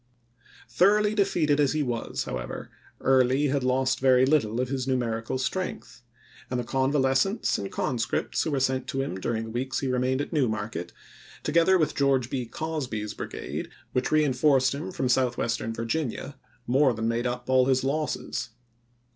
Thoroughly defeated as he was, however, Early had lost very little of his numerical strength ; and the convalescents and conscripts who were sent to him during the weeks he remained at New Market, together with George B. Cosby's brigade, which re enforced him from Southwestern Virginia, more than made up all his losses.